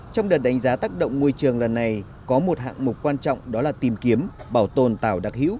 trong đợt đánh giá tác động môi trường lần này có một hạng mục quan trọng đó là tìm kiếm bảo tồn tàu đặc hữu